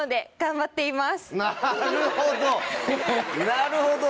なるほど！